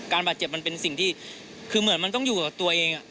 บาดเจ็บมันเป็นสิ่งที่คือเหมือนมันต้องอยู่กับตัวเอง